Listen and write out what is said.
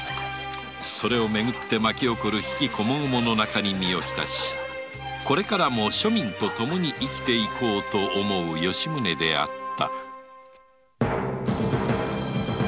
それを巡って巻き起こる非喜こもごもの中に身を浸し庶民とともに生きて行こうと思う吉宗であった